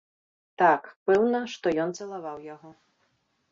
Так, пэўна, што ён цалаваў яго.